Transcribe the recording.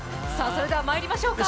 それではまいりましょうか！